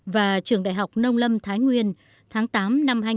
và trường đại học nông lâm thái nguyên tháng tám năm hai nghìn một mươi chín